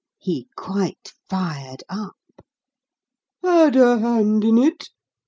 He quite fired up. "Had a hand in it!"